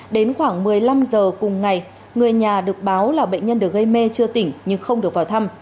đến khoảng một mươi năm h cùng ngày người nhà được báo là bệnh nhân được gây mê chưa tỉnh nhưng không được vào thăm